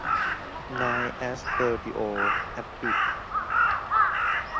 นายแอสเตอริโอ แอปปิ